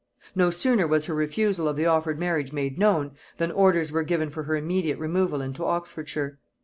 No sooner was her refusal of the offered marriage made known, than orders were given for her immediate removal into Oxfordshire.